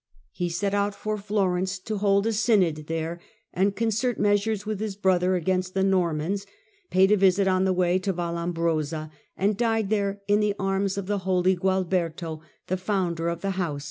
He set out for Florence to hold a synod there, and concert measures with his brother against the Normans ; paid a visit on the way to Vallambrosa, and died there in the arms of the holy Gualberto, the founder of the house.